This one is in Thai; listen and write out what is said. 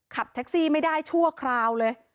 ขับแท็กซี่ไม่ได้ชั่วคราวเลย